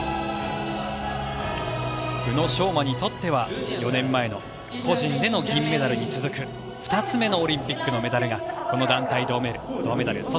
宇野昌磨にとっては４年前の個人での銀メダルに続く２つ目のオリンピックのメダルがこの団体銅メダル。